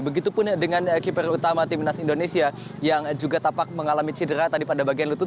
dan juga dengan keeper utama timnas indonesia yang juga tapak mengalami cedera tadi pada bagian lutut